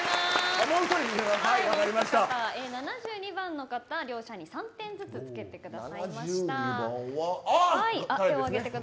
７２番の方両者に３点ずつつけてくださいました。